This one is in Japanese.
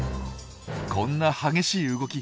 こんな激しい動き